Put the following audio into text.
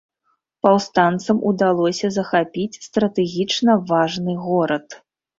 Паўстанцам удалося захапіць стратэгічна важны горад.